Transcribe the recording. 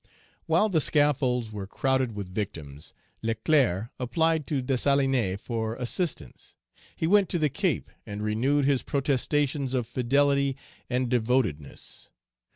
While the scaffolds were crowded with victims, Leclerc applied to Dessalines for assistance. He went to the Cape and renewed his protestations of fidelity and devotedness.